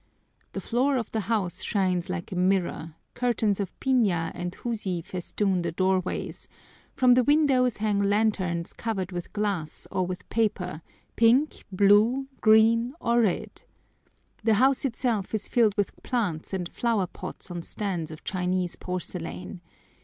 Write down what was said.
The floor of the house shines like a mirror, curtains of piña and husi festoon the doorways, from the windows hang lanterns covered with glass or with paper, pink, blue, green, or red. The house itself is filled with plants and flower pots on stands of Chinese porcelain.